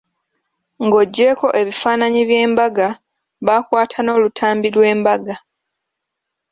Ng'ogyeko ebifaananyi eby'embaga, baakwata n'olutambi lw'embaga.